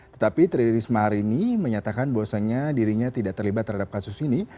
tetapi teririsma hari ini menyatakan bahwasanya dirinya tidak terlibat terhadap kasus ini